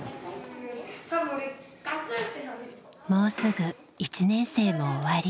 もうすぐ１年生も終わり。